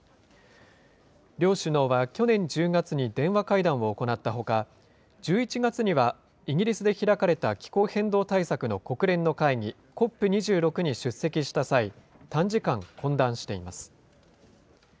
両首脳は去年１０月に電話会談を行ったほか、１１月にはイギリスで開かれた気候変動対策の国連の会議、コップ２６に出席した際、短時間懇談しています。